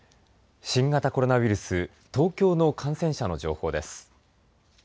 新型コロナウイルス、東京の感染者の情報です。